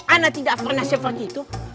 anda tidak pernah seperti itu